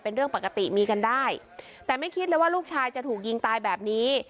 เป็นเรื่องปกติมีกันได้แต่ไม่คิดเลยว่าลูกชายจะถูกยิงตายแบบนี้